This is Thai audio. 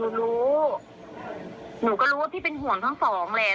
หนูรู้หนูก็รู้ว่าพี่เป็นห่วงทั้งสองแหละ